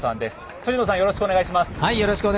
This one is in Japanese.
辻野さん、よろしくお願いします。